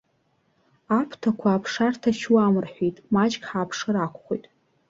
Аԥрақәа аԥша рҭачуам рҳәеит, маҷк ҳааԥшыр акәхоит.